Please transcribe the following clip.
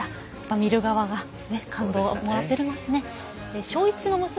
見る側は感動をもらっていますね。